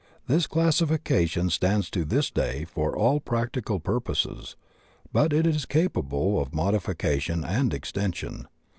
This classification stands to this day for all practical pur poses, but it is capable of modification and extension.